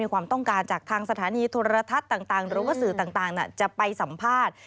ความต้องการจากทางสถานีโทรทัศน์ต่างหรือว่าสื่อต่างจะไปสัมภาษณ์